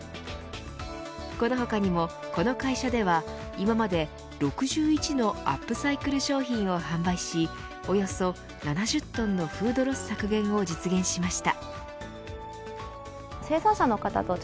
この他にもこの会社では今まで６１のアップサイクル商品を販売しおよそ７０トンのフードロス削減を実現しました。